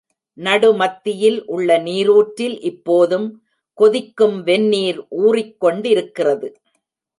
நடுமத்தியில் உள்ள நீரூற்றில் இப்போதும் கொதிக்கும் வெந்நீர் ஊறிக் கொண்டிருக்கிறது.